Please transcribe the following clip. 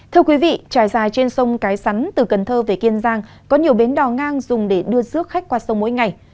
thưa quý vị trải dài trên sông cái sắn từ cần thơ về kiên giang có nhiều bến đò ngang dùng để đưa rước khách qua sông mỗi ngày